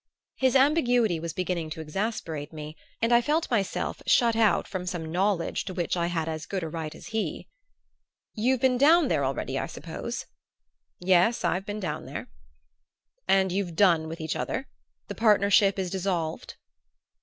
His ambiguity was beginning to exasperate me, and I felt myself shut out from some knowledge to which I had as good a right as he. "You've been down there already, I suppose?" "Yes; I've been down there." "And you've done with each other the partnership is dissolved?"